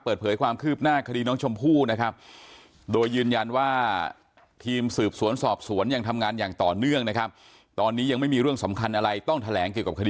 เปิดเผยความคืบหน้าคดีน้องชมพู่นะครับ